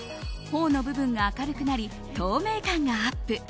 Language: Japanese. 頬の部分が明るくなり透明感がアップ。